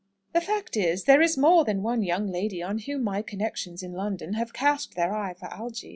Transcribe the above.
"The fact is, there is more than one young lady on whom my connections in London have cast their eye for Algy.